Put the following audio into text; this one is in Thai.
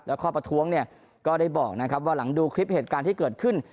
และข้อประท้วงเนี่ยก็ได้บอกนะครับว่าหลังดูคลิปเหตุการณ์ที่เกิดขึ้น